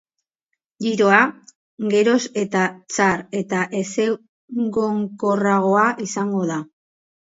Giroa geroz eta txar eta ezegonkorragoa izango da.